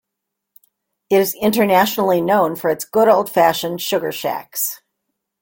It is internationally known for its good old fashioned sugar shacks.